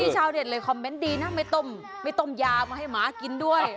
ชาวเน็ตเลยคอมเมนต์ดีนะไม่ต้มไม่ต้มยามาให้หมากินด้วย